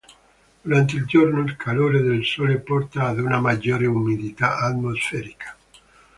Durante il giorno, il calore del sole porta ad una maggiore umidità atmosferica.